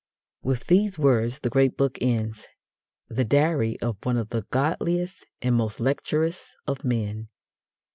With these words the great book ends the diary of one of the godliest and most lecherous of men.